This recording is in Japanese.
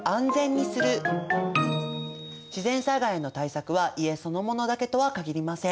自然災害への対策は家そのものだけとは限りません。